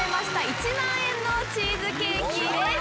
１万円のチーズケーキです。